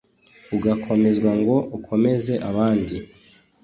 ugakomezwa ngo ukomeze abandi